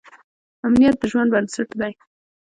امنیت د ژوند بنسټ دی.